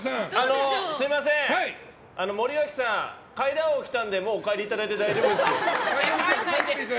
すみません、森脇さん階段王来たのでもうお帰りいただいて大丈夫です。